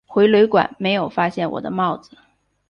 回旅馆没有发现我的帽子